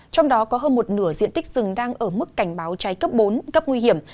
trong đó có hơn một nửa diện tích rừng đang ở mức cảnh báo cháy cấp bốn cấp nguy hiểm